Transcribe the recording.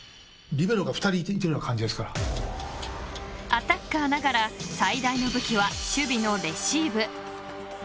［アタッカーながら最大の武器は守備の］